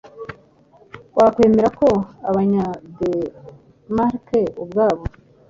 Wakwemera ko Abanya-Danemark ubwabo